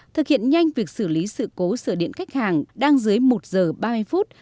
thực hiện nhanh việc xử lý sự cố sửa điện khách hàng đang dưới một giờ ba mươi phút